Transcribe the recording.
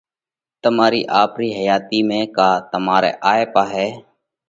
تمارِي آپرِي حياتِي ۾ ڪا تمارئہ آھئہ پاھئہ